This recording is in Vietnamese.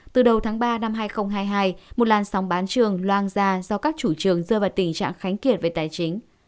từ đầu tháng ba năm hai nghìn hai mươi hai một làn sóng bán trường loang ra do các chủ trương rơi vào tình trạng khánh kiệt về tài chính